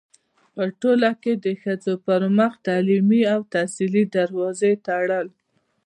پـه ټـولـه کـې د ښـځـو پـر مـخ تـعلـيمي او تحصـيلي دروازې تــړل.